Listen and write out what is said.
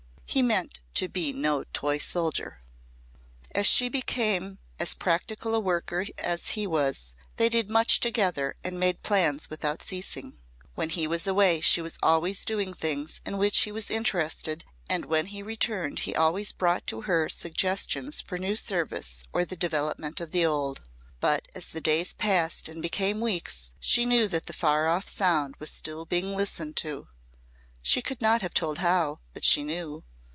He meant to be no toy soldier. As she became as practical a worker as he was, they did much together and made plans without ceasing. When he was away she was always doing things in which he was interested and when he returned he always brought to her suggestions for new service or the development of the old. But as the days passed and became weeks she knew that the far off sound was still being listened to. She could not have told how but she knew.